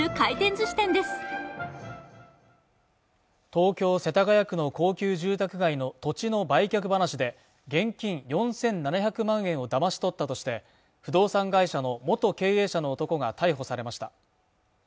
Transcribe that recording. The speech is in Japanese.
東京・世田谷区の高級住宅街の土地の売却話で現金４７００万円をだまし取ったとして不動産会社の元経営者の男が逮捕されました